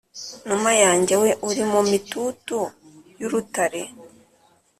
Numa yanjye we uri mu mitutu y’urutare